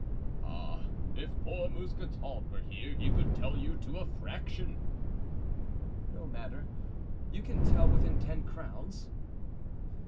"Ah, if poor Mousqueton were here he could tell you to a fraction." "No matter; you can tell within ten crowns."